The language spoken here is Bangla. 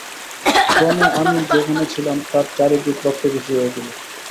ক্রমে আমি যেখানে ছিলাম তার চারি দিক রক্তে ভিজিয়া উঠিল।